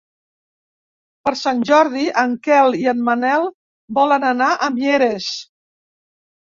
Per Sant Jordi en Quel i en Manel volen anar a Mieres.